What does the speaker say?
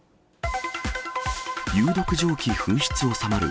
有毒蒸気噴出収まる。